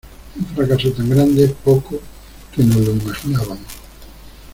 Un fracaso tan grande poco que nos lo imaginábamos.